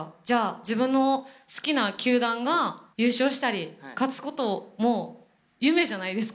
自分の好きな球団が優勝したり勝つことも夢じゃないですか。